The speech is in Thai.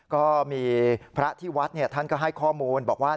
ก็มีพระที่วัดท่านก็ให้ข้อมูลบอกว่า